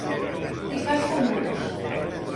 Ficar-se en bucs.